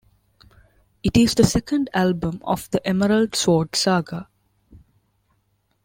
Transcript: It is the second album of the Emerald Sword Saga.